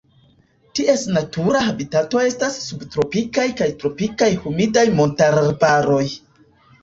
Ties natura habitato estas subtropikaj kaj tropikaj humidaj montararbaroj.